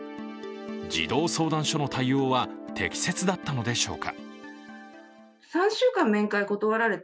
児童相談所の対応は適切だったのでしょうか。